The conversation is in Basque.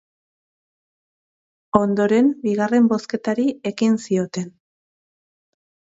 Ondoren, bigarren bozketari ekin zioten.